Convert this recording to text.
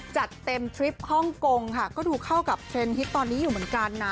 จัดเต็มทริปฮ่องกงค่ะก็ดูเข้ากับเทรนดฮิตตอนนี้อยู่เหมือนกันนะ